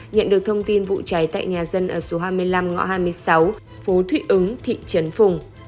nhận được thông tin vụ cháy tại nhà dân ở số hai mươi năm ngõ hai mươi sáu phố thụy ứng thị trấn phùng